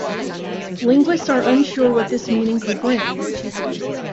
Linguists are unsure what this meaning could bring.